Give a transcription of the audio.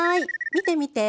見て見て！